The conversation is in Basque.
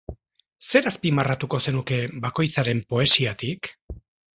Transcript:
Zer azpimarratuko zenuke bakoitzaren poesiatik?